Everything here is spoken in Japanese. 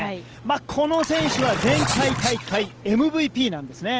この選手は前回大会ＭＶＰなんですね。